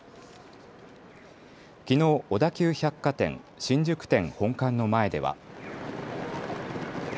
きのう小田急百貨店、新宿店本館の前では。